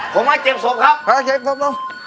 ผมว่าเจ็บศพครับ